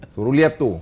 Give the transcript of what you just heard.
suruh lihat tuh